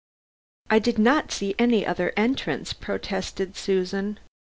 "I did not see any other entrance," protested Susan.